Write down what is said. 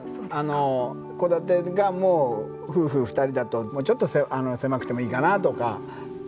戸建てがもう夫婦２人だともうちょっと狭くてもいいかなとかっていうのがあるので。